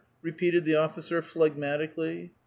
repeated the officer, phlegmatically.